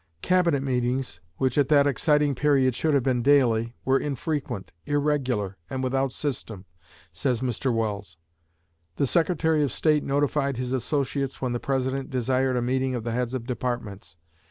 "Cabinet meetings, which at that exciting period should have been daily, were infrequent, irregular, and without system," says Mr. Welles. "The Secretary of State notified his associates when the President desired a meeting of the heads of Departments.